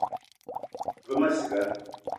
Ve ma ciga